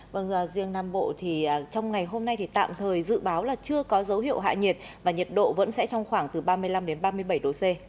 vâng riêng nam bộ thì trong ngày hôm nay thì tạm thời dự báo là chưa có dấu hiệu hạ nhiệt và nhiệt độ vẫn sẽ trong khoảng từ ba mươi năm đến ba mươi bảy độ c